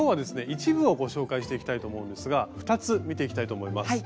一部をご紹介していきたいと思うんですが２つ見ていきたいと思います。